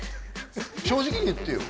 正直に言ってよ